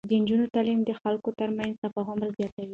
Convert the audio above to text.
د نجونو تعليم د خلکو ترمنځ تفاهم زياتوي.